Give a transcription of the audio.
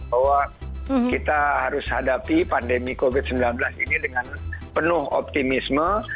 bahwa kita harus hadapi pandemi covid sembilan belas ini dengan penuh optimisme